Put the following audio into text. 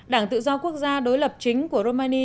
đảng tự do quốc gia đối lập chính của romani